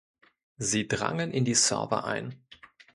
Sie drangen in die Server ein.